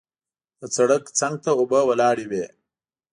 د سړک څنګ ته اوبه ولاړې وې.